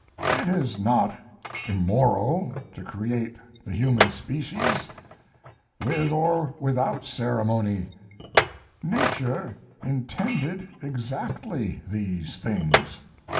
It is not immoral to create the human species with or without ceremony; nature intended exactly these things."